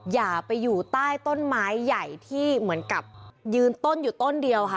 อย่าไปอยู่ใต้ต้นไม้ใหญ่ที่เหมือนกับยืนต้นอยู่ต้นเดียวค่ะ